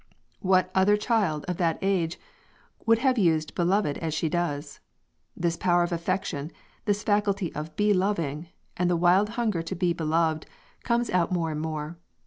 what other child of that age would have used "beloved" as she does? This power of affection, this faculty of _be_loving, and wild hunger to be beloved, comes out more and more.